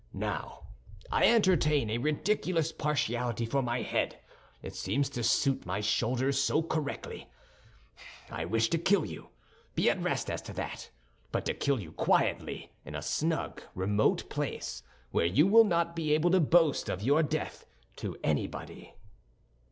Now, I entertain a ridiculous partiality for my head, it seems to suit my shoulders so correctly. I wish to kill you, be at rest as to that, but to kill you quietly in a snug, remote place, where you will not be able to boast of your death to anybody."